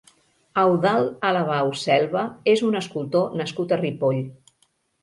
Eudald Alabau Selva és un escultor nascut a Ripoll.